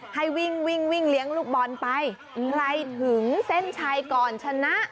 ให้วิ่งวิ่งเลี้ยงลูกบอลไปใครถึงเส้นชัยก่อนชนะ